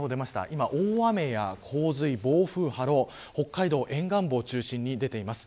今、大雨や洪水、暴風、波浪北海道沿岸部を中心に出ています。